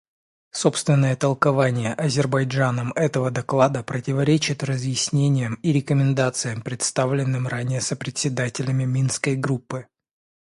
Собственное толкование Азербайджаном этого доклада противоречит разъяснениям и рекомендациям, представленным ранее сопредседателями Минской группы.